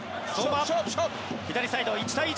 左サイド、１対１。